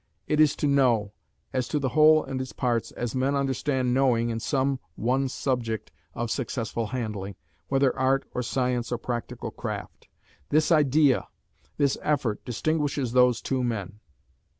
It is to know, as to the whole and its parts, as men understand knowing in some one subject of successful handling, whether art or science or practical craft. This idea, this effort, distinguishes these two men.